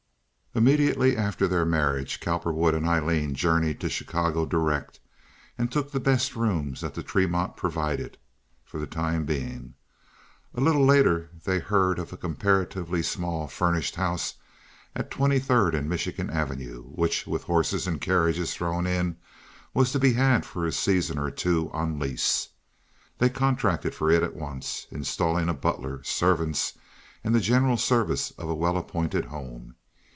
Immediately after their marriage Cowperwood and Aileen journeyed to Chicago direct, and took the best rooms that the Tremont provided, for the time being. A little later they heard of a comparatively small furnished house at Twenty third and Michigan Avenue, which, with horses and carriages thrown in, was to be had for a season or two on lease. They contracted for it at once, installing a butler, servants, and the general service of a well appointed home.